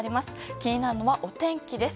気になるのは、お天気です。